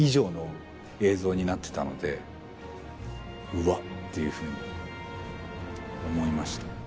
うわっていうふうに思いました。